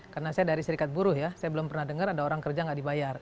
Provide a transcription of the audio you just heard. karena saya dari serikat buruh ya saya belum pernah dengar ada orang kerja nggak dibayar